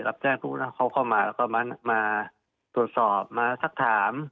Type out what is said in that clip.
รับแจ้งปุ๊บแล้วเขาเข้ามาแล้วก็มาตรวจสอบมาสักถาม